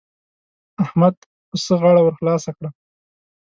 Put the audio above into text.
احمد پسه غاړه ور خلاصه کړه.